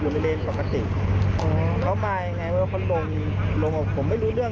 มีคนเจ็บกันด้วยไหม